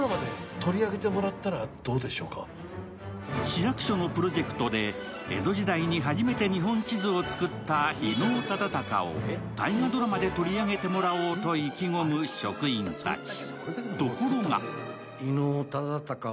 市役所のプロジェクトで江戸時代に初めて日本地図を作った伊能忠敬を大河ドラマで取り上げてもらおうと意気込む職員たち。